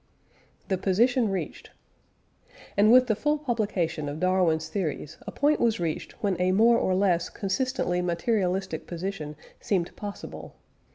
THE POSITION REACHED. And with the full publication of Darwin's theories a point was reached when a more or less consistently materialistic position seemed possible.